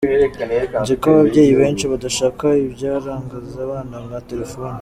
Nziko ababyeyi benshi badashaka ibyarangaza abana nka Telefoni”.